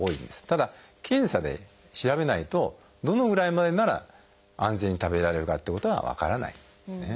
ただ検査で調べないとどのぐらいまでなら安全に食べられるかってことは分からないんですね。